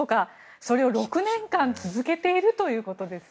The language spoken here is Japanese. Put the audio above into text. それを６年間続けているということですね。